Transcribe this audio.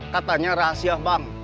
katanya rahasia bang